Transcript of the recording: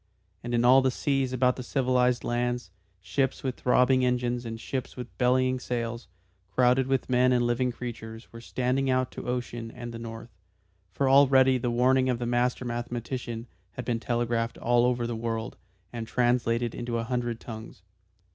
And in all the seas about the civilised lands, ships with throbbing engines, and ships with bellying sails, crowded with men and living creatures, were standing out to ocean and the north. For already the warning of the master mathematician had been telegraphed all over the world, and translated into a hundred tongues.